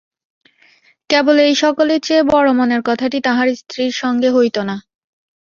কেবল এই সকলের চেয়ে বড়ো মনের কথাটি তাঁহার স্ত্রীর সঙ্গে হইত না।